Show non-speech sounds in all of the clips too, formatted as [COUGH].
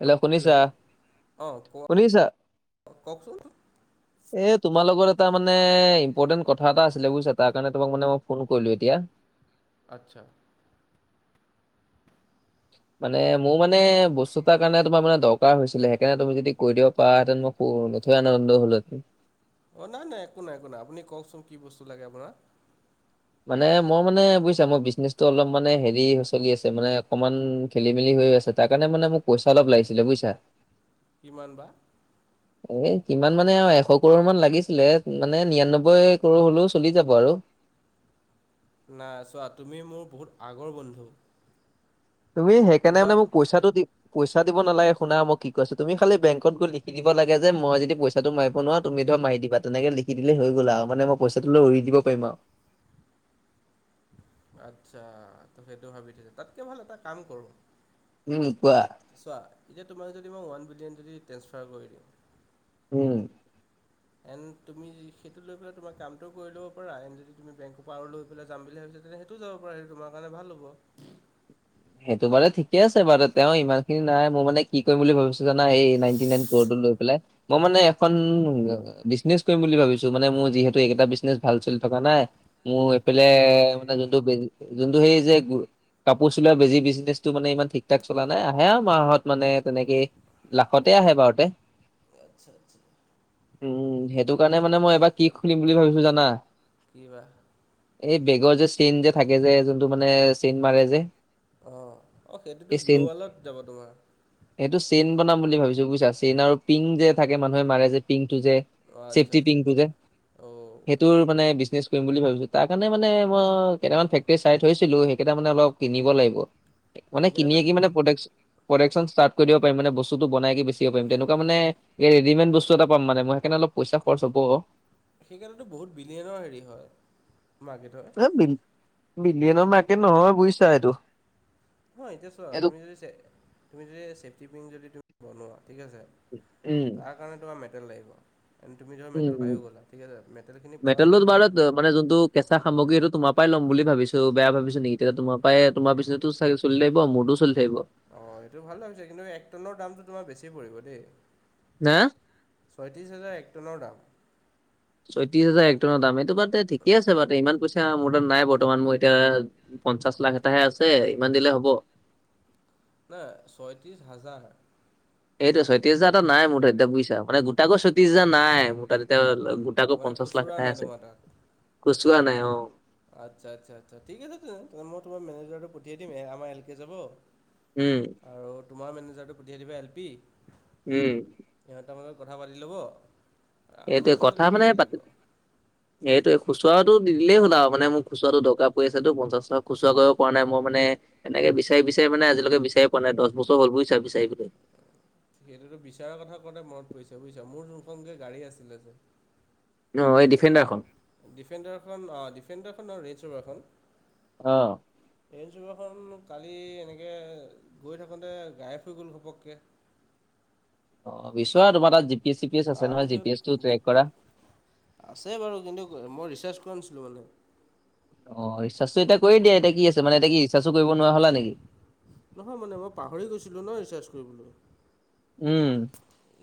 Hello অঁ ক শুনিছা-শুনিছা? কওকচোন। এ তোমাৰ লগত এটা মানে ইম্পৰ্টেণ্ট কথা এটা আছিলে বুজিছা তাৰ কাৰণে তোমাক মানে মই ফোন কৰিলো এতিয়া? আচ্ছা, মানে মোৰ মানে বস্তু তাৰ কাৰণে তোমাৰ মানে দৰকাৰ হৈছিলে সেইকাৰণে তুমি যদি কৰি দিব পাৰ হেঁতেন মোক। নথৈ আনন্দিত হলো হেতেন। অ, নাই-নাই একো নাই একো নাই আপুনি কওকচোন কি বস্তু লাগে আপোনাক। মানে মই মানে বুজিছা মোৰ বিজনেচটো অলপ মানে হেৰি চলি আছে মানে অকমান খেলি মেলি হৈ আছে। তাৰ কাৰণে মানে মোক পইচা অলপ লাগিছিলে বুজিছা। কিমান বা। এ কিমান মানে এশ কৰোৰৰ মান লাগিছিলে মানে নিৰান্নব্বৈ কৰোৰৰ হলেও চলি যাব আৰু। নাই চোৱা তুমি মোৰ বহুত আগৰ বন্ধু, তুমি সেইকাৰণে তোবা মানে মোক পইচাটো দি পইচা দিব নালাগে। শুনা মই কি কৈ আছো তুমি খালি বেং, বেংকত গৈ লিখ দিব লাগে যে মই যদি পইচাটো মাৰিব নোৱাৰ তুমি ধৰ মাৰি দিবা। তেনেকে লিখি দিলে হৈ গ'ল আৰু মানে মই পইচাটো লৈ গৈ উৰি দিব পাৰিম আৰু। আচ্ছা, ত' সেইটো ভাবি থৈছে তাতকে ভাল এটা কাম কৰো উম, কোৱা। চোৱা, এতিয়া তোমাক যদি মই ওৱান বিলিয়েন যদি ট্ৰেন্ঞ্চফাৰ কৰি দিওঁ। উম। এন তুমি সেইটো লৈ পেলাই তোমাৰ কামটোও কৰি ল'বা পাৰা, এন যদি তুমি বেংকৰ পৰা আৰু লৈ পেলাই যাম বুলি ভাবিছা তেন্তে সেই টো যাব পাৰা সেইটো তোমাৰ কাৰণে ভাল হ'ব। সেইটো বাৰু ঠিকে আছে বাৰু তেওঁ ইমান খিনি নাই মই মানে কি কৰিম বুলি ভাবিছো জানা এই নাইন্নী নাইন কৰৰটো লৈ পেলাই। মই মানে এখন কি বিজনেচ কৰিম বুলি ভাবিছো, মানে মোৰ যিহেতু এইকেইটা বিজনেছ ভাল চলি থকা নাই মোৰ এইফালে কি মানে যোনটো যোনটো সেই যে কাপোৰ, বেজি বিজনেছটো মানে ইমান ঠিক ঠাক চলা নাই আহে মাহত মানে তেনেকে, লাখতে আহে এবাৰতে। আচ্ছা, আচ্ছা। উম, সেইটো কাৰণে মানে মই এবাৰ কি খুলিম বুলি ভাবিছো জানা? কি বা? এই বেগৰ যে চেইন যে থাকে যে, যোনটো মানে চেইন মাৰে যে। অ', অ' সেইটোতো সেই চেইন গ্ল'ৱেলত যাব তোমাৰ। এইটো চেইন বনাম বুলি ভাবিছো বুজছা, চেইন আৰু পিংক যে থাকে মানুহে মাৰে যে পিংকটো যে। অ' আচ্ছা ছেফটি আচ্ছা পিংটো আচ্ছা যে, অ' সেইটোৰ মানে বিজনেছ কৰিম বুলি ভাবিছো, তাৰ কাৰণে মানে মই কেইটামান ফেক্টৰী চাই থৈছিলো সেইকেইটা মানে অলপ কিনিব লাগিব। মানে সেইকেইটাতো কিনিয়ে কি মানে প্ৰডাক প্ৰডাকশন ষ্টাৰ্ট দিব পাৰিম, মানে বস্তুটো বনাকে বেচিব পাৰিম। তেনেকুৱা মানে এই ৰেডিমেড বস্তু এটা পাম মানে মই সেইকাৰণ অলপ পইচা খৰচ হব। সেইকাৰণেতো বহুত বিলিয়নৰৰ হেৰি হয়, মাৰ্কেট হয়। এ বিল-বিলিয়নৰ মাৰ্কেট নহয় বুজিছা এইটো। নহয় এতিয়া চোৱা, এইটো তুমি যদি তুমি যদি ছেফটি পিন যদি বনোৱা, ঠিক আছে উম। তাৰ কাৰণে তোমাৰ মেটেল লাগিব, তুমি ধৰ মেটেল উম পায়ো গ'লা ঠিক আছে, মেটেলখিনি পোৱাৰ মেটেৰিয়েলটো পিছত সেয়া তোমাৰত মানে যোনটো কেঁচা সামগ্ৰী এইটো তোমাৰ পৰাই ল'ম বুলি ভাবিছো, বেয়া ভাবিছো নিকি তেতিয়া তোমাৰ পৰাই, তোমাৰ বিজনেছতো চাগে চলি থাকিব, মোৰটো চলি থাকিব। অ', সেইটো ভাল ভাবিছা কিন্তু এক টনৰ দামটো তোমাৰ বেছি পৰিব দেই। না ছয়ত্ৰিছ হাজাৰ এক টনৰ দাম। ছয়ত্ৰিশ হাজাৰ একটনৰ দাম, এইটো বা ঠিকে আছে বা ইমান পইচা মোৰ তাত নাই বৰ্তমান মোৰ এতিয়া পঞ্চাশ লাখ এটাহে আছে, ইমান দিলে হ'ব? নাই ছয়ত্ৰিছ হাজাৰ এইটোয়ে চৰি ছয়ত্ৰিছ হাজাৰ এটা নাই মোৰ তাত এতিয়া বুইছা, মানে গোটাকৈ ছৈত্ৰিশ হাজাৰ নাই মোৰ তাত এতিয়া তাকো মানে পঞ্চাশ খুচুৰা লাখ নাই এঠাহে আছে, তোমাৰ তাত খোছোৰা নাই অ'। আচ্ছা আচ্ছা আচ্ছা, ঠিক আছে তেনে মই তোমাৰ মেনেজাৰটো পঠিয়াই দিম, আমাৰ এল কে যাব। উম। আৰু তোমাৰ মেনেজাৰটো পঠিয়াই দিবা এল পি। উম। সিহঁতৰ মাজত কথা পাতি ল'ব, আ এইটোৱে মোৰ কথা পইচাটো মানে সিয়ে দি পাতি দিব। [INAUDIBLE] এইটোৱে খুচৰাটো দি দিলেই হ'ল আৰু মানে মোৰ খুচৰাটো দৰকাৰ পৰি আছেতো, পঞ্চাশ টকা খুচৰা কৰিব পৰা নাই মই মানে এনেকে বিচাৰি বিচাৰি মানে আজিলৈকে বিছাৰি পোৱা নাই, দছ বছৰ হ'ল বুজিচা বিচাৰি পোৱা নাই। সেইটোতো বিচাৰা কথা কওঁতে মনত পৰিছে বুজিছা, মোৰ যোনখনকে গাড়ী আছিলে যে অ', এই ডিফেণ্ডাৰখন? ডিফেণ্ডাৰখন অ', ডিফেণ্ডাৰখন নহয় ৰেইনজৰভাৰ খন। অ'। ৰেইনজৰভাৰ খন কালি এনেকে গৈ থাকোঁতে, গায়ব হৈ গ'ল ঘপককে। অ', বিছৰা তোমাৰ তাত G P S, C S আছে নহয় জি তাৰপিছত পি এছটো জি ট্ৰেক পি কৰা। আছে বাৰু কিন্তু মই ৰিচাৰ্জ কৰা নাছিলোঁ মানে। অ', ৰিচাৰ্জটো এতিয়া কৰি দিয়া এতিয়া কি আছে মানে এতিয়া কি ৰিচাৰ্ছো কৰিব নোৱাৰ হলা নেকি? নহয় মানে মই পাহৰি গৈছিলোঁ ন ৰিচাৰ্জ কৰিবলৈ। উম।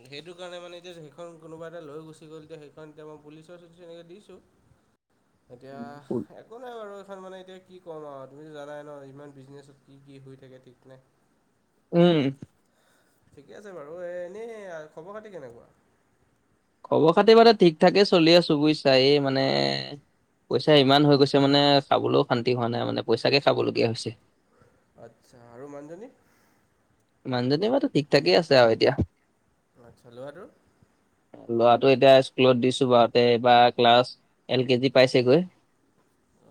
সেইটো কাৰণে মানে এতিয়া সেইখন কোনোবা এটা লৈ গুচি গ'ল এতি সেইখন এতিয়া মই পুলিচৰ ওচৰত এনেকে দিছো। [INAUDIBLE] এতিয়া।, একো নাই বাৰু এইখন মানে এতিয়া কি ক'ম আও তুমিতো জানাই ন, ইমান বিজনেছত কি কি হৈ থাকে ঠিক নাই। উম। ঠিকে আছে বাৰু এ এনেই খবৰ খাতি কেনেকুৱা? খবৰ খাতি বাৰু এ ঠিক ঠাকে চলি আছোঁ বুইচা এই মানে। পইচা ইমান হৈ গৈছে মানে খাবলৈও শান্তি হোৱা নাই মানে পইচাকে খাবলগীয়া হৈছে। আচ্ছা আৰু মানুজনী? মানুহজনী [UNINTELLIGIBLE] ঠিক ঠাকেই আছে আৰু এতিয়া। আচ্ছা লৰাটো? ল'ৰাটো এতিয়া স্কুলত দিছো বাৰতে এই বাৰ ক্লাছ এল কেজি পাইছেগৈ।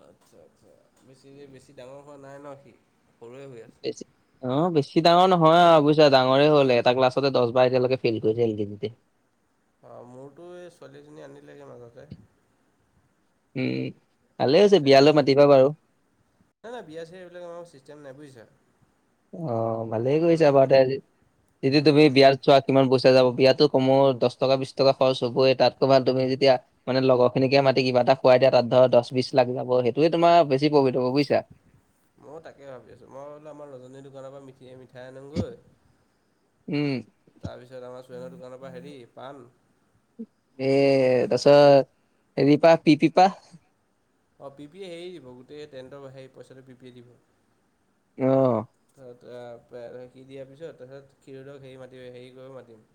আচ্ছা-আচ্ছা বেছি-বেছি ডাঙৰ হোৱা নাই ন সি, সৰুৱে হৈ আছে। ক [INAUDIBLE] অ', বেছি ডাঙৰ নহয় আৰু বুজিছা ডাঙৰে হল এটা ক্লাছতে দহ বাৰ এতিয়া লৈকে ফেইল কৰিচে ল কেই জীতে। অ', মোৰতো এই ছোৱালীজনী আনিলেগৈ মাজতে। উম, ভালে হৈছে এতিয়া বিয়ালৈ মাতিবা বাৰু। নাই নাই বিয়া ছিয়া এইবিলাক আমাৰ চিষ্টেম নাই বুজিছা। অ', ভালেই মানে কৰিছা বাৰু তে আজি - এতিয়া তুমি বিয়াত চোৱা কিমান পইচা যাব বিয়াতো কমো দহ টকা বিছ টকা খৰচ হ'বই তাতকবা তুমি যেতিয়া মানে লগৰ খিনিকে মাতি কিবা এটা খুৱাই দিয়া তাত ধৰ দহ বিশ লাখ যাব সেইটোয়ে তোমাৰ বেছি প্ৰফিট হব বুজিছা। মই তাকে ভাবি আছোঁ, মই ব'লো আমাৰ ৰজনীৰ দোকানৰ পৰা মিঠ মিঠাই আনোগৈ উম। তাৰপিছত আমাৰ চুৰেঙৰ দোকানৰ পৰা হেৰি পান এ তাৰ পিছত হেৰিপা পি পিপা? অ', পি পি হেয়ি দিব গোটেই টেণ্টৰ হেই পইচাটো পি পি এই দিব। অ' ত সি দিয়াৰ পিছত তাৰপিছত খিৰোদক হেৰি মাতি হেৰি কৰিব মাতিম।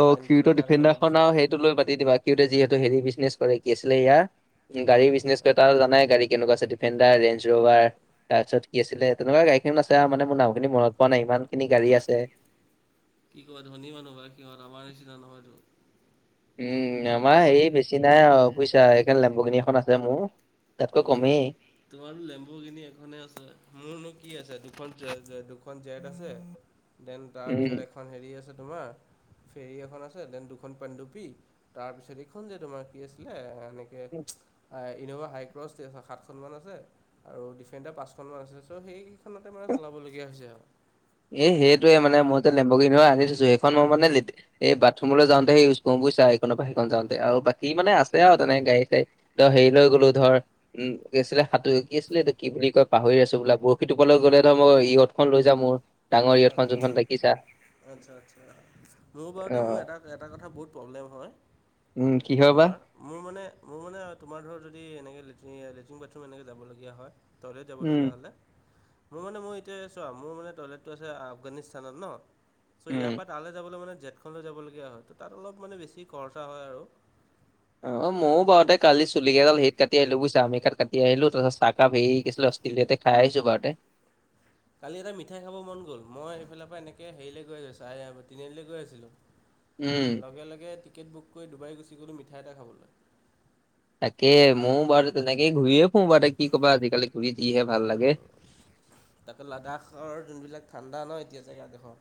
অ', পানীটো লৈ ক্ষীৰোদৰ তাক আনিব ডিফেণ্ডাৰ খন দিছোঁ আৰু সেইটো লৈ মাতি দিবা ক্ষীৰোদে যিহেতু হেৰি বিজনেছ কৰে কি আছিলে ইয়াৰ গাড়ী বিজনেছ কৰে তাৰ জানাই গাড়ী কেনেকুৱা আছে ডিফেণ্ডাৰ, ৰেঞ্জৰভাৰ। তাৰপিছত কি আছিলে তেনেকুৱা গাড়ীখন আছে মনে মোৰ নামখিনি মনত পৰা নাই ইমাখিনি গাড়ী আছে। কি কয় ধনী মানুহ ভায় সিহঁত আমাৰ নিচিনা নহয়তো। উম, আমি আমাৰ এই আমি বেছি নাই আও বুইছা এইকাণ লেম্বগিনি এখন আছে মোৰ। তাতকৈ উম। কমেই তোমাৰো লেম্বু গিনি এখনে আছে মোৰনো কি আছে দুখন জে-জে দুখন জেট আছে। দেন তাৰপিছত উম এখন হেৰি আছে তোমাৰ ফেৰী এখন আছে দেন দুখন পাণ্ডুপী তাৰ পিছত এইখন যে তোমাৰ কি আছিলে এনেকে আই ইন'ভা হাইক ব্ৰছ দি সাতখনমান আছে আৰু ডিফেণ্ডাৰ পাঁচখনমান আছে চ' সেই সানতে মানে চলাবলগীয়া হৈছে আও। এই সেইটোয়ে মানে মই যে লেম্বুগিনি খন আনি থৈছো, এইখন মই মানে লেতে এই বাথৰুমলৈ যাওঁতেহে ইউজ কৰোঁ বুইছা? এইকন পা সেইকন যাওঁতে আৰু বাকী মানে আছে আও তেনেকে গাড়ী চাডী। ত হেৰি লৈ গ'লোঁ ধৰ উম, কি আছিলে সাঁতুৰি কি আছিলেটো কি বুলি কয় পাহৰি আছোঁ বোলা বৰশী টোপলৈ গ'লে ধৰ মই ই য়দ খন লৈ যাওঁ মোৰ। অ', ইয়দখন কোনখন দেখি আচ্ছা-আচছা মোৰ অ বাৰুতে মোৰ এটা-এটা কথা বহুত প্ৰব্লেম হয়। উম, কি হয়বা? তোমাৰ মোৰ মানে মোৰ মানে তোমাৰ ধৰক যদি এনেকে লেটিন লেট্ৰিন বাথৰুম এনেকে যাবলগীয়া হয় টয়লেট উম যাবলগীয়া হ'লে, মোৰ মানে মোৰ এতিয়া চোৱা মোৰ মানে টয়লেট টো আছে আগানিস্তানত ন? তো ইয়াৰ উম পৰা তালৈ যাবলৈ মানে জেট লৈ যাবলগীয়া হয়, ত তাত অলপ মানে বেছি খৰচা হয় আৰু অ ময়ো বাৰুতে কালি চুলি কেইডাল হেৰিত কাটি আহিলো বুইছা, আমেৰীকাত কাটি আহিলো তাৰছত চাহ কাপ হেৰি কি আছিলে অচ তেলিয়াতে খাই আহিছোঁ বাৰতে। কালি এটা মিঠাই খাব মন গ'ল, মই সেইফালৰ পা এনেকে হেৰিলৈ গৈ আছোঁ তিনিআলিলে গৈ আছিলোঁ উম লগে-লগে টিকেট বুক কৰি ডুবাই গুচি গ'লোঁ মিঠাই এটা খাবলৈ। তাকে ময়ও বাৰু তেনেকে ঘূৰিয়ে ফুও বা এতা কি ক'বা আজিকালি ঘূৰি যিহে ভাল লাগে। তাতে লাডাখৰ যোনবিলাক ঠাণ্ডা ন এতিয়া জেগাডখৰ।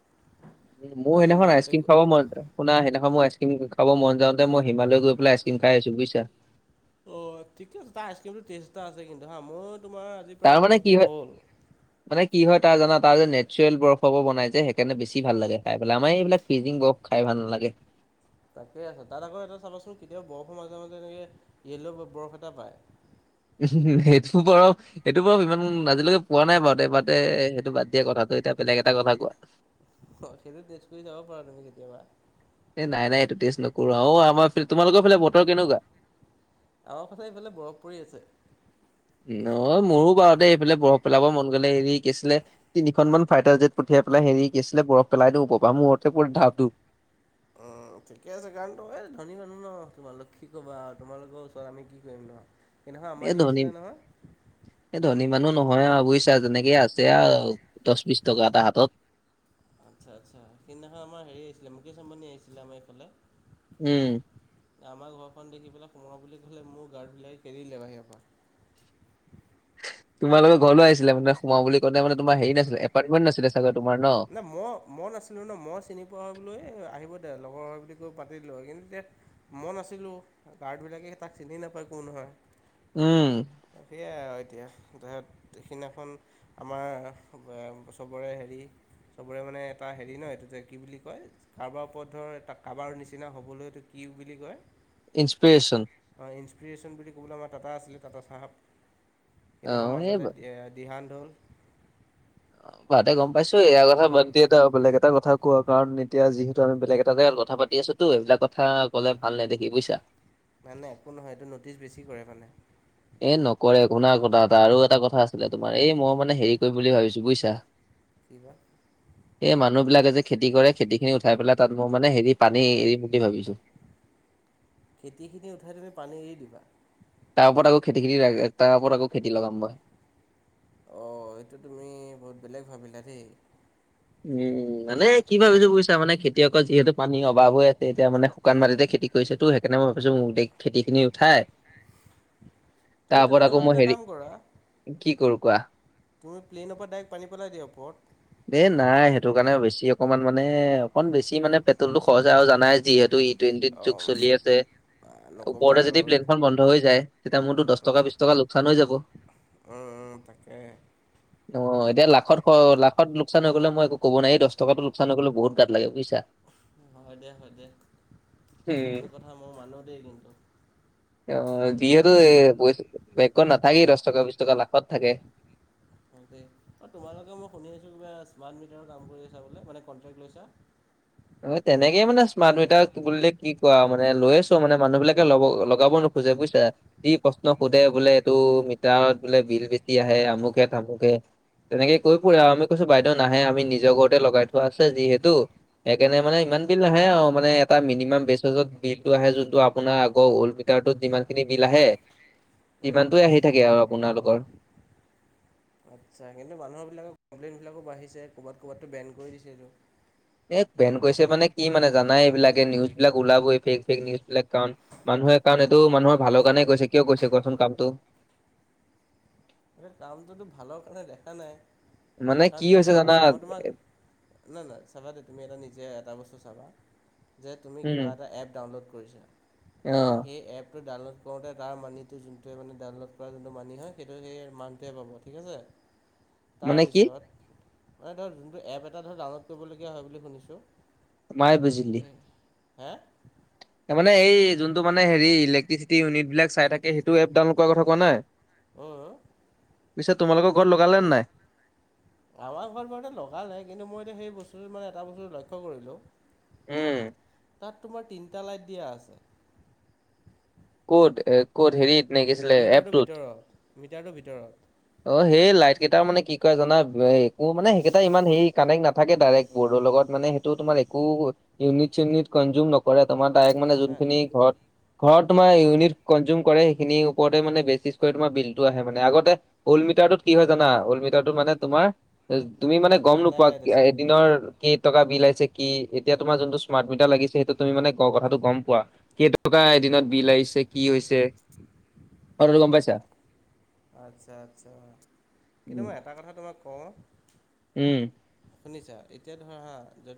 মোৰ সেইদিনাখন আইচক্ৰীম খাব মন যা শুনা সেইদিনাখন মো আইচক্ৰীম খাব মন যাওঁতে মই হিমালয় গৈ পেলাই আইচক্ৰীম খাই আহিছো বুইছা। অ' ঠিকে আছে, তাৰ আইচক্ৰীমটো টেষ্ট এটা আছে কিন্তু হা ময়ো তোমাৰ আজি প্ৰায় তাৰমানে অলপ কি দিন হয় হ'ল মানে কি হয় তাৰ জানা তাৰ যে নেচাৰেল বৰফ পা বনাই যে সেইকাৰণে বেছি ভাল লাগে খাই পেলাই আমাৰ এইবিলাক ফিজিং বৰফ খাই ভাল নালাগে তাকে আছে তাত আকৌ এটা চাবাচোন কেতিয়াবা বৰফ মাজে মাজে এনেকে য়েল্লৌ ব বৰফ এটা পায়। উমহুহু সেইটো বৰফ এইটো বৰফ ইমান আজিলৈকে পোৱা নাই বাও তে বাদদে বাদে সেইটো বাদ দিয়া কথাটো এতিয়া বেলেগ এটা কথা কোৱা। হয় সেইটো টেষ্ট কৰি চাব পাৰা তুমি কেতিয়াবা। এ নাই নাই এইটো টেষ্ট নকৰো, আও অ আমাৰ তোমালোকৰ ফালে বতৰ কেনেকুৱা? আমাৰ ফালে এইফালে বৰফ পৰি আছে ন মোৰো বাৰুতে এইফালে বৰফ পেলাব মন গ'লে হেৰি কি আছিলে তিনিখন মান ফাইটাৰ জেট পঠিয়াই পেলাই হেৰি কি আছিলে বৰফ পেলাই দিও ওপৰৰপা মূৰতে পৰে ধাপ ধোপ অঁ ঠিকে আছে কাৰণ তু এই ধনী মানুহ ন তোমালোক কি কবা আৰু তোমালোকৰ ওচৰত আমি কি কৰিম ন সেইদিনাখন আমবানি আহিছিলে নহয় এই ধনী মানুহ নহয় আও বুইছা তেনেকেই আছে আও দশ বিশ টকা এটা হাতত আতচ্ছা আতচ্ছা সেইদিনাখন আমাৰ হেৰি আহিছিলে মুকেশ আম্বানী আহিছিলে আমাৰ এইফালে উম। আমাৰ ঘৰখন দেখি পেলাই সোমোৱা বুলি ক'লে মোৰ গাৰড বিলাকে খেদি দিলে বাহিৰৰ পৰা তোমালোকৰ ঘৰলৈ আহিছিলে মানে সোমাও বুলি কওতে মানে তোমাৰ হেৰি পৰা নাছিলে এপাৰ্টমেণ্ট নাছিলে চাগে তোমাৰ ন নাই মই মই নাছিলো ন মই চিনি পোৱা বুলো এই আহিব দে লগৰ হয় বুলি কৈ পাতি দিলো হয় কিন্তু এতিয়া মই নাছিলো, গাৰ্ড বিলাকে তাক চিনি নাপায় কোন হয় উম। সেয়াই আৰু এতিয়া ধৈয়ত সিদিনাখন আমাৰ চবৰে হেৰি চবৰে মানে এটা হেৰি ন এইটো যে কি বুলি কয় কাৰোবাৰ ওপৰত ধৰ এটা কাৰোবাৰ নিচিনা হবলৈ এইটো কি বুলি কয়? ইনস্পিৰেচন ইনস্পীৰেশ্যন বুলি ক'বলৈ আমাৰ টাটা আছিলে টাটা চাহাব অ সেইদিনাখন এই মাজতে দিহান ঢোল অ তাতে গম পাইছো এয়াৰ কথা বাত দিয় এ বেলেগ এটা কথা কোৱা কাৰণ এতিয়া যিহেতু আমি বেলেগ এটা জেগাত কথা পাতি আছো তো এইবিলাক কথা কলে ভাল নাই দেখি বুজিছা। নাই- নাই একো নহয় এইটো ন'টিছ বেছি কৰে মানে এ নকৰে, শুনাৰ কথা এটা আৰু এটা কথা আছিলে তোমাৰ এই মই মানে হেৰি কৰিম বুলি ভাবিছো বুজিছা [UNINTELLIGIBLE] কিবা? এই মানুহ বিলাকে যে খেতি কৰে খেতি খিনি উঠাই পেলাই তাত মই মানে হেৰি পানী এৰিম বুলি ভাবিছো খেতিখিনি উঠাই তুমি পানী এৰি দিবা। তাৰ ওপৰত আকৌ খেতি-খেতি তাৰ ওপৰত আকৌ খতি লগাম মই। অ, এইটো তুমি বহুত বেলেগ ভাবিলা দেই। উম, মানে কি ভাবিছো বুজছ মানে খেতিয়কৰ যিহেতু পানীৰ অভাৱ হৈ আছে এতিয়া মানে। শুকান মাতিতে খেতি কৰিছেতো সেইকাৰণে মই ভাবিছো মোক দে খেতিখিনি উঠাই। তুমি তাৰ ওপৰত তাতকৈ আকৌ মান মই এটা হেৰি কাম কৰা। কি কৰো কোৱা তুমি প্লেইনৰ পৰা ডাইৰেক্ট পানী পেলাই দিয়া ওপৰত এই নাই সেইটো কাৰণে বেছি অকণমান মানে অকণমান বেছি মানে পেট্ৰলটো খৰচ আৰু জানাই যিহেতু ই জেন জি যুগ চলি অ' আছে। নক'বা ওপৰতে আৰু যদি প্লেনখন বন্ধ হৈ যায় তেতিয়া মোৰতো দহ উম, টকা, বিশ টকা লোকচান হৈ যাব উ'ম, তাকে। অ, এতিয়া লাখত-লাখত মোক লোকচান গলে মই একো কব নোৱাৰোঁ এই দহ টকাটো লোকচান গলে বহুত গাত লাগে বুজিছা। হয় দে হয় দে উম। সেইটো কথা মোৰ মানো দেই কিন্তু। অ, যিহেতু আমাৰ এই বেকত নাথাকেই দহ টকা, বিচ টকা লাখত থাকে। দেই অঁহ, তোমালোকে মই শুনি আছোঁ কিবা স্মাৰ্ট মিটাৰৰ কাম কৰিছা বোলে, মানে কণ্ট্ৰেক্ট লৈছা। অ, তেনেকে মানে স্মাৰ্ট মিটাৰ বুলিলে কি কোৱা মানে লৈ আছো মানে মানুহ বিলাকে লব লগাব ন। খুজে বুজছা। যি প্ৰশ্ন সোধে বোলে এইটো মিটাৰত বোলে। বিল বেছি আহে আমুকে থামুকে। তেনেকে কৈ ফুৰে আৰু আমি কৈছো বাইদেউ নাহে আমি নিজৰ ঘৰতে লগাই থোৱা আছে যিহেতু। সেইকাৰণে মানে ইমান বিল নাহে আৰু মানে এটা মিনিমাম বেচছত বিলতটো আহে। যোনটো আপোনাৰ আগৰ। মিটাৰটোতযিমান খিনি বিল আহে, উম, সিমানটোৱে আহি থাকে আৰু আপোনালোকৰ। আচ্ছা, কিন্তু মানুহবিলাকৰ কমপ্লেইনবিলাকো বাঢ়িছে ক'বাত-ক'ৰবাতো বেন কৰি দিছে এইটো। এ বেন কৈছে মানে কি মানে জানাই এইবিলাকে নিউজ বিলাক ওলাবই, ফেক-ফেক নিউজ বিলাক কাৰণ মানুহে কাৰণ এইটো মানুহৰ ভালৰ কাৰণে কৈছে কিয় কৈছে কোৱাচোন কামটো। এই কামটোতো ভালৰ কাৰণে দেখা নাই মানে কি কাৰণ এতিয়া হৈছে চোৱা জানা মই তোমাক। নাই-নাই চাবা দেই তুমি এটা নিজে এটা বস্তু চাবা। যে তুমি কিবা উম এটা এপ ডাউনলোড কৰিছা, অ', সেই এপটো ডাউনলোড কৰোতে তাৰ মানিটো যোনটোৱে মানে ডাউনলোড কৰা যোনটো মানি হয়। সেই মানটোৱে পাব ঠিক আছে। মানে কি তাৰপিছত এ ধৰ যোনটো এপ এটা ধৰক ডাউনলোড কৰিবলগীয়া হয় বুলি শুনিছোঁ মায়ে হয়। হে? তাৰ মানে এই যোনটো মানে হেৰি ইলেক্ট্ৰিচিটি ইউনিট বিলাক চাই থাকে সেইটো এপ ডাউনলোড কৰা কথা কোৱা নাই। উম, পিছে তোমালৰ ঘৰত লগালে নাই? আমাৰ ঘৰবোৰতে লগালে কিন্তু মই এতিয়া সেই বস্তুটো মানে এটা বস্তু লক্ষ্য কৰিলোঁ। উম, তাত তোমাৰ তিনটা লাইট দিয়া আছে। ক'ত-ক'ত হেৰিত নে কি আছিলে মিটাৰটোৰ এপটোত ভিতৰত, মিটাৰটোৰ ভিতৰত অ, সেই লাইট কেইটা মানে কি ক জানা একো মানে সেইকেইটা ইমান হেৰি কানেক্ট নাথাকে ডাইৰেক্ট। বৰ্ডৰ লগত মানে সেইটো তোমাৰ একো ইউনিট-চউনিট কনযোম নক কৰে। তোমাৰ ডাইৰেক্ট মানে নাই যোনখিনি ঘৰত-ঘৰত, তোমাৰ ইউনিট কনজিউম কৰে সেইখিনিৰ ওৰতে মান বেচিছ কৰি তোমাৰ বিলতটো আহে মানে। আগতে ওল মিটাৰটোত কি হয় জানা? ওল মিটাৰটোত মানে তোমাৰ তুমি মানে গম এটাই নোপোৱা লাইট আছিলে এদিনৰ কি টকা বিল আছে কি এতিয়া তোমাৰ যোনটো স্মাৰ্ট মিটাৰ লাগিছে সেইটো তুমি মানে কথাটো গম পোৱা। কেইটকা এদিনত বিল আহিছে কি হৈছে কথাতো গম পাইছা। আচ্ছা-আচ্ছা, কিন্তু উম মই এটা কথা তোমাক কওঁ? উম, শুনিছা? এতিয়া ধৰা যদি